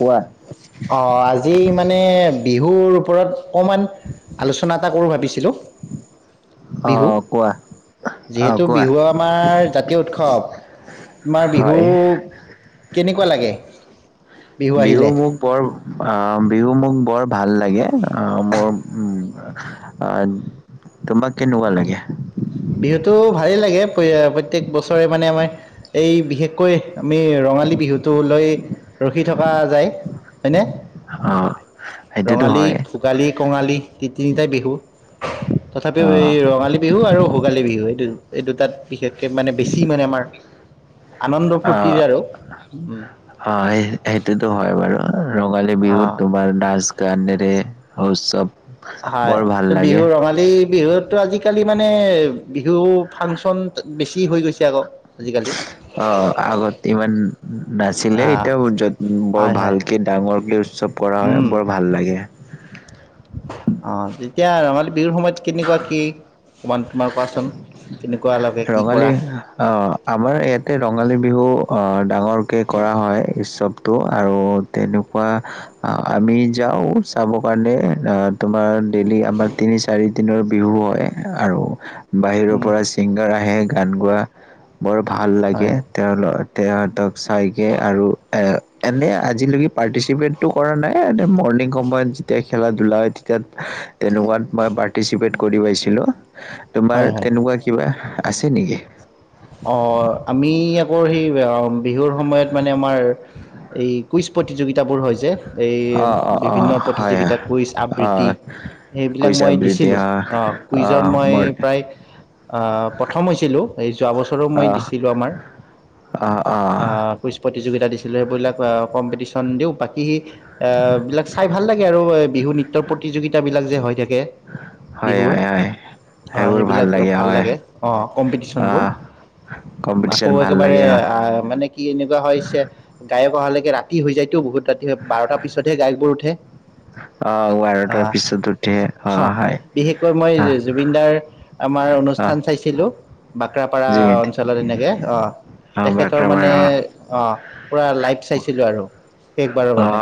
কোৱা। অ' আজি মান মানে বিহুৰ ওপৰত, অকমান আলোচনা চনা এটা কৰো ভাবিছিলো। বিহু। অ', কোৱা অ', যিহেতু কোৱা বিহু আমাৰ জাতীয় উৎসৱ, আমাৰ বিহু হয় কেনেকুৱা লাগে? বিহু মোক বৰ অ' বিহু মোক বৰ ভাল লাগে। আ মোৰ, তোমাক কেনেকুৱা লাগে? ভালে লাগে, প্ৰত্যেকবছৰে মানে আমাৰ এই বিশেষকৈ আমি ৰঙালী বিহুটো লৈ ৰখি থকা যায়। হয়নে? অ', সেইটোতো ৰঙালী, হয় ভোগালী, কঙালী তি-তিনি তে বিহু তথাপিও অ', এই ৰঙালী বিহু আৰু হ ভোগালী বিহু এইটো-এইটো তাত বিশেষকে মানে বেছি মানে আমাৰ আনন্দ-ফূৰ্তিৰ অ', আৰু উম অ সেইটোতো হয় বাৰু ৰঙালী অ বিহুত তোমাৰ নাচ গানেৰে উৎসৱ হয় বৰ ভাল ত লাগে বিহু ৰঙালী বিহুতটো আজিকালি মানে বিহু ফাংচন বেছি হৈ গৈছে আকৌ আজিকালি অ আগত ইমান নাছিলে অ এতিয়া যত বৰ হয় হয় ভালকে ডাঙৰকে উৎসৱ কৰা হয় বৰ ভাল লাগে আহ তেতিয়া ৰঙালী বিহুৰ সময়ত কেনেকুৱা কি অকমান তোমাৰ কোৱাচোন কেনেকুৱা লাগে কি ৰঙালী কৰা অ আমাৰ ইয়াতে ৰঙালী বিহু ডাঙৰকৈ কৰা হয় উৎসৱটো আৰু তেনেকুৱা আমি যাওঁ চাব কাৰণে তোমাৰ ডেলি আমাৰ তিনি চাৰি দিনৰ বিহু হয় আৰু বাহিৰৰ উম, পৰা আহে গান গোৱা বৰ ভাল লাগে হয় তেওঁলত তেহঁতক চাইগে আৰু এ এনে আজিলৈকে পাৰ্টিচিপেটটো কৰা নাই এ হল্ডি কম্পয়া খেলা ধূলা হয় তেতিয়া তেনেকুৱাত মই পাৰ্টিচিপেট কৰি পাইছিলোঁ হয় তোমাৰ হয় তেনেকুৱা আছে নেকি অ আমি আকৌ সেই বিহুৰ সময়ত মানে আমাৰ এই কুইজ প্ৰতিযোগিতাবোৰ হয় যে এই অ', অ', বিভিন্ন অ', হয়, প্ৰতিযোগিতাত কুইজ আবৃত্তি অ', সেইবিলাক কৈছা মই দিছিলোঁ এতিয়া অঁ কুইজত অ', মই মোৰ প্ৰায় প্ৰথম হৈছিলো এই যোৱা বছৰো মই অ', দিছিলোঁ আমাৰ অ', অ', কুইজ প্ৰতিযোগতি দি লেবিলাক কম্পিটিশ্যন দিওঁ বাক ই বিলাক চাই ভাল লাগে আৰু বিহু নৃত্য প্ৰতিযোগিতা বিলাক যে হৈ থাকে হয়, বিহুৰ হয়, হয়। অ সেইবিলাক ভাল লাগে অ কি অ', আকৌ কম্পিটিচন ভাল একেবাৰে লাগে অ', মানে কি এনেকুৱা হৈছে গা অহালৈকে ৰাতি হৈ যায়টো বহুত ৰাতি বাৰটা পিছতহে গায়কবোৰ উঠে অ', অ বাৰটাৰ পিছত উঠে অ হয়। বিশেষকৈ মই আহ, জুবিনদাৰ আমাৰ আহ, অনুষ্ঠান চাইছিলো বাক্ৰাপাৰা জুবিন অঞ্চলত এনেকৈ অ অ', তেখেতৰ বাক্ৰাবাৰ মানে অ', অ পূৰা লাইভ চাইছিলোঁ আৰু শেষবাৰৰ অ বাবে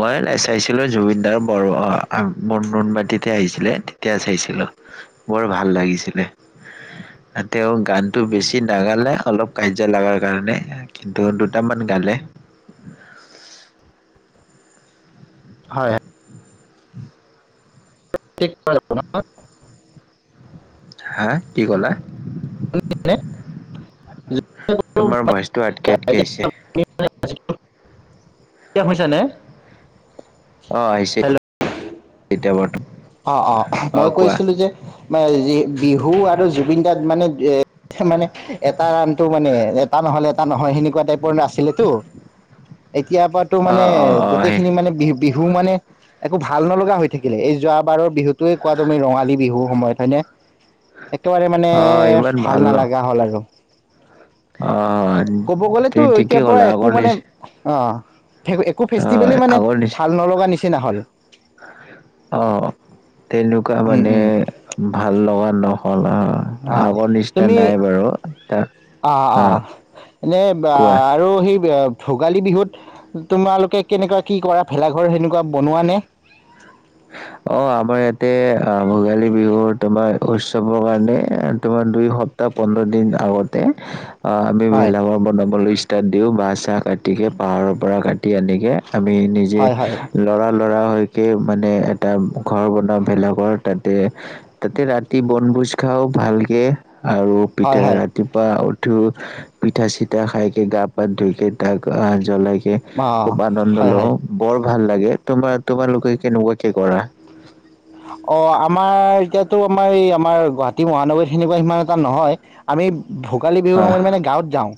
মই চাইছিলো জুবিনদাৰ বাৰু অ ম নোনমাটিতে আহিছিলে তেতিয়া চাইছিলো বৰ ভাল লাগিছিলে তেওঁ গানটো বেছি নাগালে অলপ কাজিয়া লগাৰ কাৰণে কিন্তু দুটামান গালে হয় হয় [inaudible] [unintelligible] হা কি ক'লা নে? তোমাৰ ভইচটো আটকে আটকে আহিছে হৈছে নে অ আহিছে এতিয়া বৰ্তম অ অ মই কৈছিলো যে মই বিহু আৰু জুবিন দাৰ মানে এ মানে এটা ৰাণটো মানে এটা নহলে এটা এটা নহয় সেনেকুৱা টাইপৰ আছিলেতো এতিয়াৰ পৰাতো অ মানে অ অ গোটেই সেই খিনি মানে বিহ বিহ ধু মানে একো ভাল নলগা হৈ থাকিলে এই যোৱা বাৰৰ বিহুটোয়ে কোৱা তুমি ৰঙালী বিহু সময়ত হয়নে একেবাৰে মানে অ ইমান ভাল ন নালাগা হ'ল আৰু অ ক'ব গলেতো তুমি এতিয়াৰ ঠিকেই পৰা ক'লা একো আগৰ মানে নিচ অ একো অ ফেষ্টিভেল মানে আগৰ নিচ ভাল নলগা নিচ চিনা হল অ তেনেকুৱা উম মানে উম ভাল লগা ন কলা আগৰ নিচিনা নাই বাৰু তাত অ অ এনে কোৱা আৰু সি ভোগালী বিহুত তোমালোকে কেনেকুৱা কি কৰা ভেলাঘৰ সেনেকুৱা বনোৱা নে অ আমাৰ ইয়াতে আহ ভোগালী বিহুৰ তোমাৰ উৎসৱৰ কাৰণে তোমাৰ দুই সপ্তাহ পোন্ধৰ দিন আগতে অ আমি হয়। ভেলাঘৰ বনাব লৈছ তাত দিওঁ বাঁহ চাহ কাটিকে পাহাৰৰ পৰা কাটি আনিকে আমি নিজে হয় হয় লৰা ল ল'ৰা হৈকে মানে এটা ঘৰ বনাওঁ ভেলাঘৰ তাতে তাতে ৰাতি বনভোজ খাওঁ ভালকে আৰু হয় পিঠাই হয় ৰাতিপুৱা উঠ ও পিঠা চিঠা খাইকে গা পা ধুকে তাক আহ জ্বলাই অ খুব আনন্দ হয় লওঁ হয় বৰ ভাল লাগে তোমাৰ তোমালোকে কেনেকুৱাকে কৰা অ আমাৰ এতিয়াতো আমাৰ এই আমাৰ গুৱাহাটী মহানগৰীত তেনেকুৱা সিমান এটা নহয় আমি ভোগালী বিহুৰ আহ সময়ত মানে গাঁৱত যাওঁ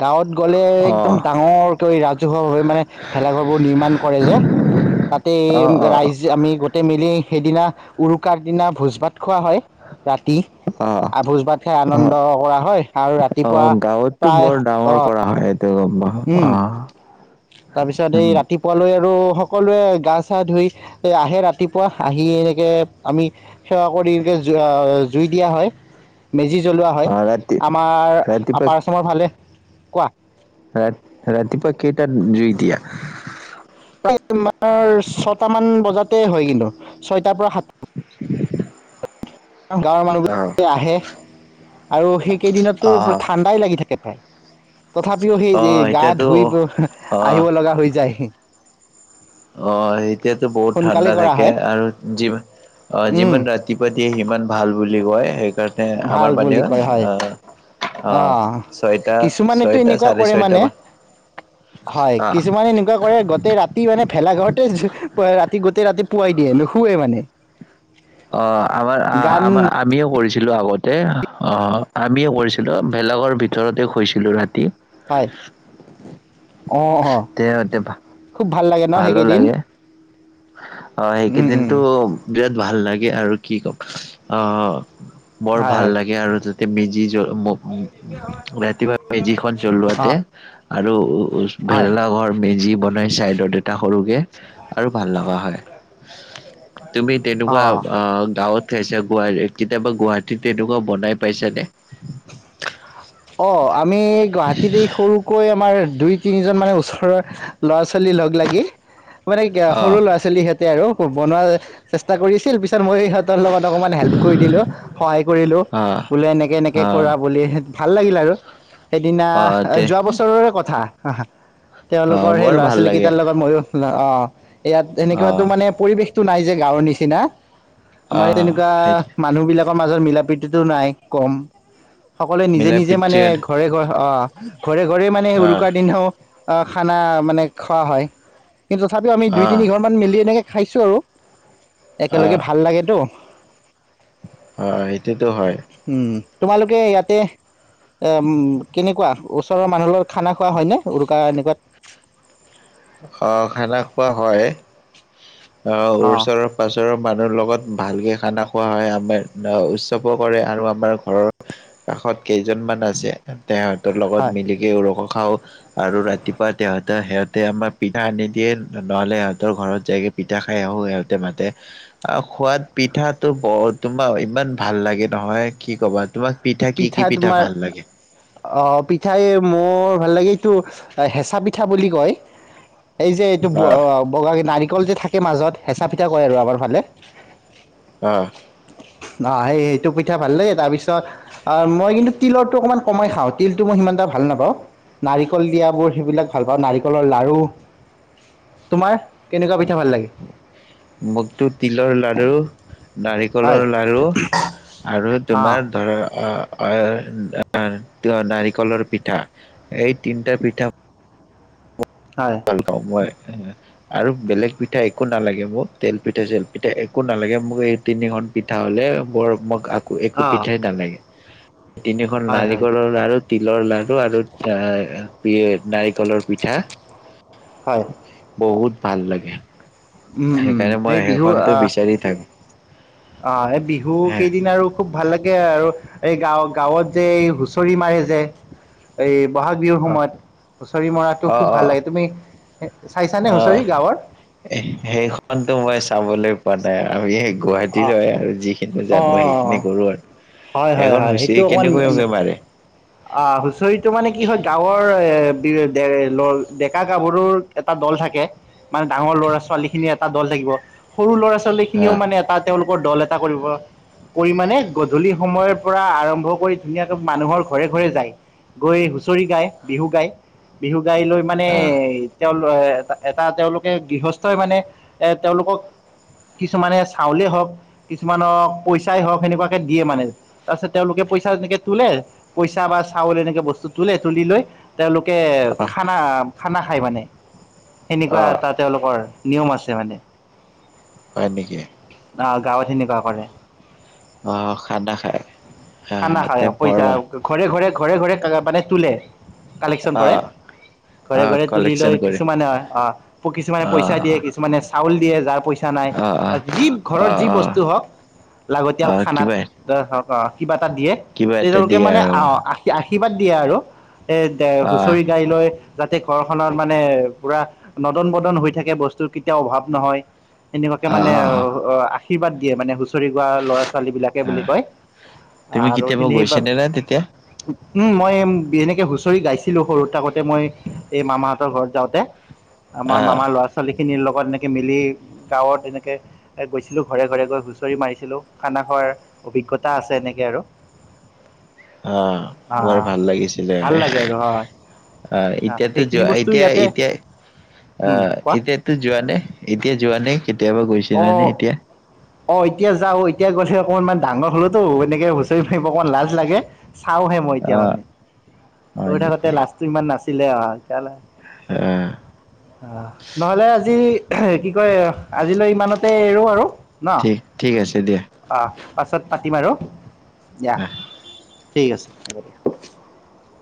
গাঁৱত গ'লে অ একদম ডাঙৰকৈ ৰাজহুৱা হৈ মানে ভেলাঘৰবোৰ নিৰ্মাণ কৰে যে তাতে অ অ ৰাইজ আমি গোটেই মিলি সেইদিনা উৰুকাৰ দিনা ভোজ ভাত ভাত খোৱা হয় ৰাতি অ আৰু ভোজ ভাত খাই অ আনন্দ কৰা হয় আৰু অ ৰাতিপুৱা প্ৰায় আহ অঁ তাৰপিছত এই ৰাতিপুৱালৈ আৰু সকলোৱে গা চা ধুই আহে ৰাতিপুৱা আহি এনেকে আমি সেৱা কৰি এনেকে জুই দিয়া হয় মেজি জ্বলোৱা অ হয় ৰাতি আমাৰ ৰাতিপুৱা আপাৰ আছামৰ ফালে কোৱা ৰা ৰাতিপুৱা কেইটাত জুই দিয়া সোনকালেই হয় কিন্তু ছয়টাৰ পৰা সাত গাঁৱৰ অ মানুহবিলাক আহে আৰু সেই কেইদিনতো পোৰা ঠাণ্ডাই লাগি থাকে [unintelligible] তথাপিও অ সেই গা এতিয়াতো ধুই অ আহিব লগা হৈ যায় অ এতিয়াতো বহুত সোনকালে ঠাণ্ডা কৰা থাকে হয় আৰু অ উম, যিমান ৰাতিপুৱা দিয়ে সিমান ভাল বুলি কয় সেই ভাল বুলি কয় হয় অ ছয়টা কিছুমানেতো ছয়টা এনেকুৱা চাৰে কৰে ছয়টা মানে মান হয় অ কিছুমানে এনেকুৱা কৰে গোটেই ৰাতি মানে ভেলাঘৰত ৰাতি গোতেই ৰাতি পুৱাই দিয়ে নোশুৱে মানে অ আমাৰ গান আমাৰ আমিও কৰিছিলোঁ আগত আমিয়ে কৰিছিলোঁ ভেলা ঘৰ ভিতৰতে শুইছিলোঁ ৰাতি হয় অ অ তেহঁতে ভা- খুব ভাল লাগে ন ভালো সেইকেইদিন লাগে অ উম, উম, সেইকেইদিনো বিৰাট ভাল লাগে আৰু কি কম অ অ বৰ হয়, ভাল হয়, লাগে আৰু তাতে মেজি জ উ ৰাতিপুৱা মেজিখন জ্বলোৱাতে অ', আৰু উ হয়, ভেলেলা ঘৰ মেজিপ বনাই চাইডত এটা সৰুকে আৰু ভাল [unintelligible] লগা হয় তুমি তেনেকুৱা অ'। গাঁৱত খাইছে গুৱাহাট কেতিয়াবা গুৱাহাটীত তেনেকুৱা বনাই পাইছে নে অ আমি গুৱাহাটীতে সৰুকৈ আমাৰ দুই তিনিজন মানে ওচৰৰ ল'ৰা ছোৱালী লগ লাগি মানে অ সৰু ল'ৰা ছোৱালী সহেঁতে আৰু বনোৱাৰ চেষ্টা কৰি আছিল পিছ তৰ মই ইহঁতৰ লগত অকমান হেল্প কৰি দিলো সহায় কৰিলো অ বোলো এনেকে এনেকে কৰা বুলি ভাল লাগিল আৰু সেইদিনা যোৱা বছৰৰে কথা হাঁ হাঁ তেওঁলোকৰ সেই বৰ ল'ৰা ভাল লাগে ছোৱালীকেইটাৰ লগত মইয়ো অঁ ইয়াত এনেকুৱাতো মানে পৰিৱেশ টো নাই যে গাঁৱৰ নিচিনা আমাৰ এনেকুৱা সেইটো মানুহ বিলাক ৰ মাজৰ মিলা প্ৰীতিতো নাই কম সকলোৱে নিজে মিলা নিজে মানে প্ৰীতিৰে ঘৰে ঘৰে অ ঘৰে ঘৰে মানে আহ উৰুকাৰ দিনাও খানা মানে খোৱা হয় কিন্ত তথাপিও আমি দুই আহ তিনি ঘৰ মান মিলি এনেকে খাইছো আৰু একেলগে আহ ভাল লাগেতো অ সেইটোতো হয় উম, তোমালোকে ইয়াতে এ কেনেকুৱা ওচৰৰ মানুহৰ খানা খোৱা হয়নে উৰুকা এনেকুৱাত খ খানা খোৱা হয় অ ওচৰৰ পাছৰৰ মানুহৰ লগত ভালকৈ খানা খোৱা হয় আমাৰ উৎসৱো কৰে আৰু আমাৰ ঘৰৰ কাষত কেইজনমান আছে তেহঁতৰ লগত হয় মিলিকে ওৰস খাওঁ আৰু ৰাতিপুৱা তেহঁৰ সিহঁত ততে আমাৰ পিঠা আনি দিয়ে নহলে সিহঁতৰ ঘৰত যায়গে পিঠা খাই আহো সিহঁতে মাতে আৰু খোৱাত পিঠাটো বৰ তোমাৰ ইমান ভাল লাগে নহয় কি ক'বা তোমাক কি কি পিঠা তোমাৰ ভাল লাগে? অ পিঠাই ম বৰ ভাল লাগে এইটো হেঁচা পিঠা বুলি কয় এই যে এইটো অ', নাৰিকল যে থাকে মাজত হেঁচা পিঠা কৰে আৰু আমাৰ ফালে অহ অ সেই সেইটো পিঠা ভাল দেই তাৰ পিছত আহ মই কিন্তু তিলৰো অকণমান কমাই খাওঁ তিলটো মই সিমান এটা ভাল নাপাওঁ নাৰিকল দিয়াবোৰ সেইবিলাক ভাল পাওঁ নাৰিকলৰ লাৰু তোমাৰ কেনেকুৱা পিঠা ভাল লাগে মোকতো তিলৰ লাডু হয় নাৰিকলৰ লাড়ু আৰু অ তোমাৰ ধৰা নাৰিকলৰ পিঠা এই তিনিটা পিঠা হয় ভাল খাওঁ হয় আৰু বেলেগ পিঠা একো নালাগে মোক তেল পিঠা চেল পিঠা একো নালাগে মোক এই তিনিখন পিঠা হলে বৰ মোক এক একো অ পিঠাই নালাগে তিনিখন হয় হয় নাৰিকলৰ লাৰু তিলৰ লাড়ু আৰু নাৰিকলৰ পিঠা হয় বহুত ভাল লাগে উম উম সেইকাৰণে সেই মই বিহু সেইখনতটো আহ বিচাৰি থাকো অ এই বিহু হে কেইদিন আৰু খুব ভাল লাগে আৰু এই গাঁৱ গাঁৱত যে এই হুঁচৰি মাৰে যে এই ব'হাগ বিহুৰ অ সময়ত হুঁচৰি মৰাটো অ খুব অ ভাল লাগে তুমি চাইছানে অ হুঁচৰি গাঁৱৰ সেইখনতো মই চাবলৈ পোৱাৰ নাই আৰু গুৱাহাটী হয় আৰু যিখিনি জানো অ সেইখিনি অ কৰো আৰু হয় হয় এখন হয় হৈছে সেইটো অকণমান কেনেকুৱাকে মাৰে অ হুচৰিটো মানে কি হয় গাঁৱৰ এ লল ডেকা গাভৰুৰ এটা দল থাকে। মানে ডাঙৰ ল'ৰা ছোৱালী খিনি ইয়াত এটা দল থাকিব সৰু ল'ৰা ছোৱালী খিনিও আহ মানে এটা তেওঁলোক দল এটা কৰিব। কৰি মানে গধূলি সময়ৰ পৰা আৰম্ভ কৰি ধুনীয়াকে মানুহৰ ঘৰে ঘৰে যায়। গৈ হুঁচৰি গায়, বিহু গায়। বিহু গাই লৈ মানে আহ তেওঁ ল এটা তেওঁলোকে গৃহস্থই মানে এ তেওঁলোকক কিছুমানে চাউলে হওক, কিছুমানক পইচাই হওক সেনেকুৱাকে দিয়ে মানে তাৰপিছত তেওঁলোকে পইচা তেনেকে তোলে পইচা বা চাউল এনেকে বস্তু তোলে। তুলি লৈ তেওঁলোকে আহ খানা- খানা খায় মানে। সেনেকুৱা আহ এটা তেওঁলোকৰ নিয়ম আছে মানে। হয় নেকি। আহ গাঁৱত সেনেকুৱা কৰে অ খানা খায়। খানা খায় অ। পইচা ঘৰে ঘৰে- ঘৰে ঘৰে মানে তোলে। কালেকচন কৰে। আহ ঘৰে আহ ঘৰে তুলি কালেকচন লৈ কৰে কিছুমানে হয় অ' প - কিছুমানে পইচা আহ দিয়ে কিছুমানে চাউল দিয়ে যাৰ পইচ চা নাই। অ যি ঘৰৰ অ যি অ বস্তু হওক অ লাগতিয়াল খানাত কিবা অ'। দিয়ে। কিবা এটা তেতিয়ালোকে দিয়ে মানে আৰু আশী- আশী আশীৰ্বাদ দিয়া আৰু। এ দে অ -হুঁচৰি গাই লৈ যাতে ঘৰ খনত মানে পুৰা নদন বদন হৈ থাকে। বস্তুৰ কেতিয়াও অভাৱ নহয়। এনেকুৱাকে মানে অ আ আশীৰ্বাদ দিয়ে মানে হুচ হুছৰি গোৱা লৰা ছোৱালীবলাকে অ বুলি কয়। তুমি আৰু কেতিয়াবা গৈছা সেইবাবে নে না তেতিয়া? উম মই এম্ এনেকে হুঁচৰি গাইছিলোঁ সৰুত থাক মই এই মামা ঘৰত যাওঁতে আমাৰ আহ মামাৰ ল'ৰা ছোৱালী খিনিৰ লগত এনেকে মিলি গাঁৱত এনেকে এ গৈছিলোঁ ঘৰে ঘৰে গৈ হুঁচৰি মাৰিছিলোঁ। খানা খোৱাৰ অভিজ্ঞ তা আছে এনেকে আৰু। হা অহ বৰ হা ভাল লাগিছিলে। ভাল লাগে আৰু হয় অহ এতিয়াতো সেইখিনি যোৱা বস্তু এতিয়া- ইয়াতে এতিয়া উম অহ কোৱা এতিয়াতো যোৱা নে? এতিয়া যোৱা নে? কেতিয়াবা গৈছিলানে এতিয়া? অ এতিয়া যাওঁ। এতিয়া গলে অকণ মান - মান ডাঙৰ হলত তো এনেকে হুচৰি মাৰিব অকমান লাজ লাগে চাওহে মই এতিয়া আহ মানে হয় হৈ থাকোতে নেকি লাজটো ইমান নাচ চছিলিল অ কলে অ আহ নহলে আজি কি কয় আজিলৈ ইমানতে এৰো আৰু ন ঠিক আছে দিয়া অঁ পাছত পাতিম আৰু দিয়া আহ ঠিক আছে হ'ব